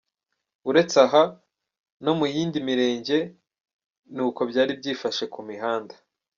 Uretse aha, no mu yindi mirenge ni uko byari byifashe ku mihanda.